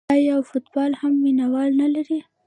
آیا فوتبال هم مینه وال نلري؟